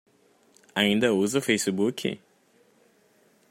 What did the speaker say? Ainda usa Facebook?